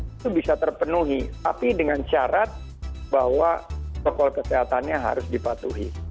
itu bisa terpenuhi tapi dengan syarat bahwa protokol kesehatannya harus dipatuhi